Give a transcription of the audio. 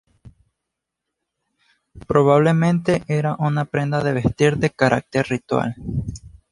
Probablemente era una prenda de vestir de carácter ritual.